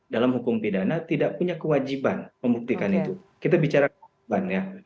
dalam hukum pidana tidak punya kewajiban membuktikan itu kita bicara kewajiban ya